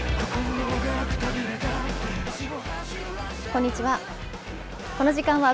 こんにちは。